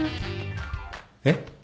えっ？